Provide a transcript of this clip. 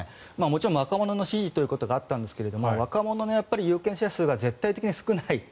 もちろん若者の支持ということがあったんですが若者の有権者数が絶対的に少ない。